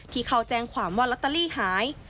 ที่เขาแจ้งความว่าลอตเตอรี่หาย